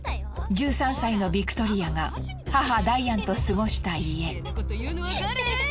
１３歳のビクトリアが母ダイアンと過ごした家。